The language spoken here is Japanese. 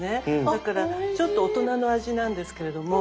だからちょっと大人の味なんですけれども。